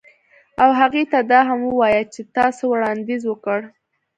او هغې ته دا هم ووایه چې تا څه وړاندیز وکړ